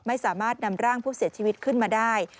ไม่สามารถนำร่างผู้เสียชีวิตขึ้นมาได้